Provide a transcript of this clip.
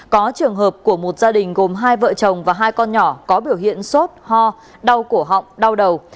có trường hợp của một gia đình gồm hai vợ chồng và hai con nhỏ có biểu hiện sốt ho đau cổ họng đau đầu